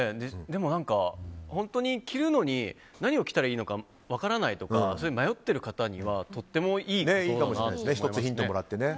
でも、本当に着るのに何を着たらいいのか分からないとか迷ってる方にはとてもいいことだなと思いますね。